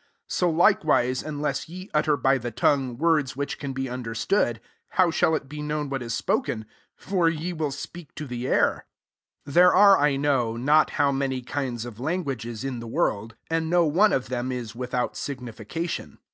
9 So likewise, unless ye utter by the tongue, words which can be un derstood, how shall it be known what is spoken ? for ye will speak to the air. 10 There are I know not how many kinds of languages b the world ; and no one ["of them*] is without signification.